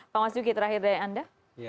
pak mas duki terakhir dari anda